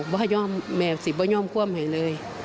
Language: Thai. ว่าย่อมแม่สิบว่าย่อมคว่ำให้เลย